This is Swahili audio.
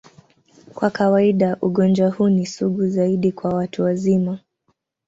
Kwa kawaida, ugonjwa huu ni sugu zaidi kwa watu wazima.